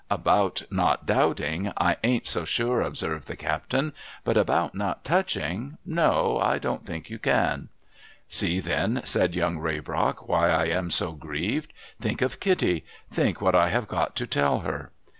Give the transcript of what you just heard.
* 'About not doubting, I ain't so sure,' observed the captain ; 'but about not touching — no — I don't think you can.' ' See then,' said Young Raybrock, ' why I am so grieved. Think of Kitty, Think what I have got to tell her